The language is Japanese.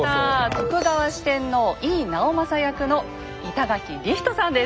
徳川四天王・井伊直政役の板垣李光人さんです。